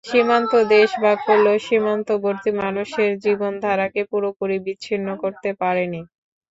সীমান্ত দেশ ভাগ করলেও সীমান্তবর্তী মানুষের জীবনধারাকে পুরোপুরি বিচ্ছিন্ন করতে পারেনি।